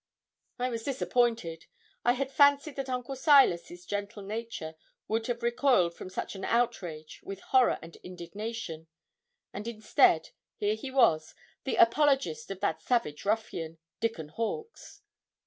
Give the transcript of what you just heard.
I was disappointed. I had fancied that Uncle Silas's gentle nature would have recoiled from such an outrage with horror and indignation; and instead, here he was, the apologist of that savage ruffian, Dickon Hawkes.